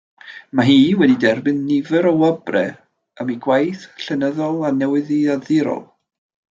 Mae hi wedi derbyn nifer o wobrau am ei gwaith llenyddol a newyddiadurol.